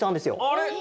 あれ？